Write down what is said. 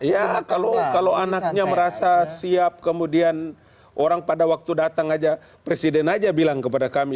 ya kalau anaknya merasa siap kemudian orang pada waktu datang aja presiden aja bilang kepada kami